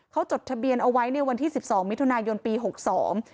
เขาจดทะเบียนเอาไว้ในวันที่สิบสองมิถุนายนปีหกสอง